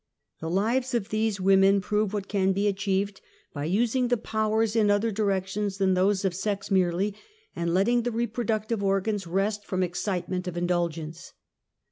The lives of these women prove what can be achiev^ed SOCIAL EYIL. 77 hj using the powers in other directions than those of sex merely, and letting the reproductive organs rest from excitement of indulgence.